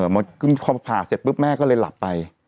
มาขึ้นความภาคเสร็จปุ๊บแม่ก็เลยหลับไป